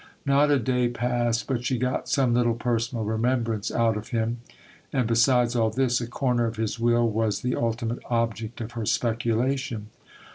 Not a day passed, but she got some little personal remembrance out of him ; and besides all this, a corner of his will was the ulti mate object of her speculation.